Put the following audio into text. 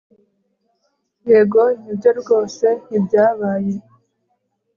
Yego nibyo rwose ntibyabaye